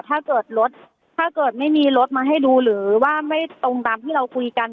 ถ้าเกิดรถถ้าเกิดไม่มีรถมาให้ดูหรือว่าไม่ตรงตามที่เราคุยกัน